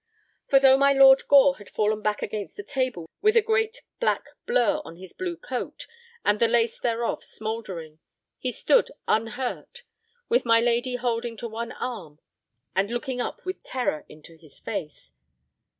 For though my Lord Gore had fallen back against the table with a great black blur on his blue coat and the lace thereof smouldering, he stood unhurt, with my lady holding to one arm and looking up with terror into his face.